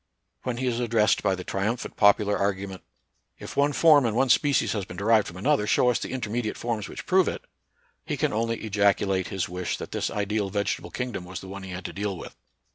When he is addressed by the triumphant popular argument, " if one form and one species has been derived from another, NATURAL SCIENCE AND RELIGION. 41 show US the intermediate forms which prove it," he can only ejaculate his wish that this ideal vegetable kingdom was the one he had to deal with.